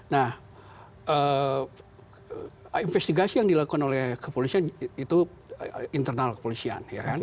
nah investigasi yang dilakukan oleh kepolisian itu internal kepolisian